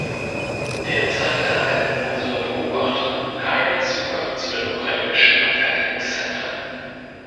Derzeit erhalten unsere Beobachter keinen Zugang zu den ukrainischen Abfertigungszentren.